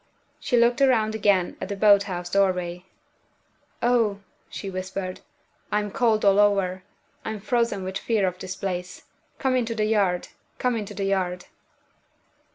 She looked round again at the boat house doorway. "Oh!" she whispered, "I'm cold all over I'm frozen with fear of this place. Come into the yard! Come into the yard!"